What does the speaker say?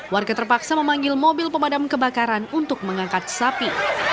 warga terpaksa memanggil mobil pemadam kebakaran untuk mengangkat sapi